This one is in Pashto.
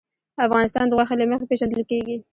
افغانستان د غوښې له مخې پېژندل کېږي.